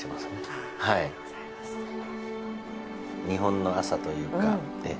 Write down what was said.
日本の朝というか。